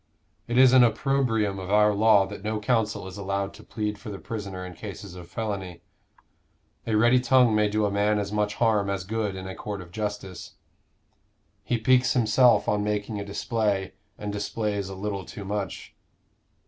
It is an opprobrium of our law that no counsel is allowed to plead for the prisoner in cases of felony. A ready tongue may do a man as much harm as good in a court of justice. He piques himself on making a display, and displays a little too much."